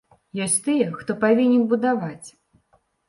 Ёсць тыя, хто павінен будаваць.